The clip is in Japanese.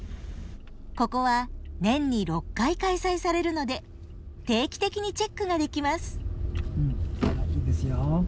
ここは年に６回開催されるので定期的にチェックができます。